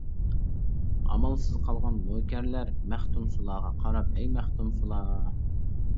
ئامالسىز قالغان نۆكەرلەر مەختۇمسۇلاغا قاراپ:-ھەي مەختۇمسۇلا!